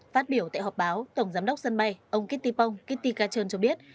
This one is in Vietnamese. phát biểu tại họp báo tổng giám đốc sân bay ông kitty pong kitty kachon cho biết